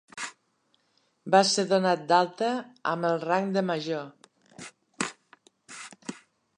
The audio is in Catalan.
Va ser donat d'alta amb el rang de Major.